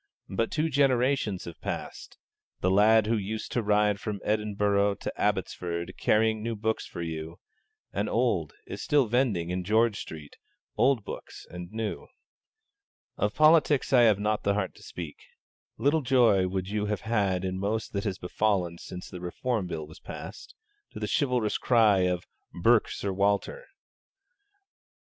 But two generations have passed; the lad who used to ride from Edinburgh to Abbotsford, carrying new books for you, and old, is still vending, in George Street, old books and new. Of politics I have not the heart to speak. Little joy would you have had in most that has befallen since the Reform Bill was passed, to the chivalrous cry of 'burke Sir Walter.'